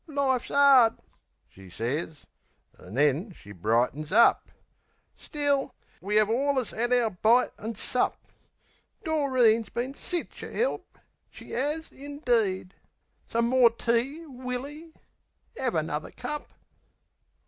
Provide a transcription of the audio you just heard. "Life's 'ard," she sez, an' then she brightens up. "Still, we 'ave alwus 'ad our bite and sup. Doreen's been SICH a help; she 'as indeed. Some more tea, Willy? 'Ave another cup."